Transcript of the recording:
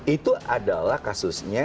itu adalah kasusnya